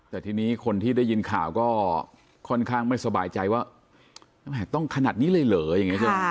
แต่ทีนี้คนที่ได้ยินข่าวก็ค่อนข้างไม่สบายใจว่าต้องขนาดนี้เลยเหรออย่างนี้ใช่ไหม